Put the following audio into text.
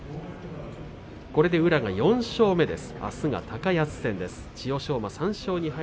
これで宇良が４勝目です。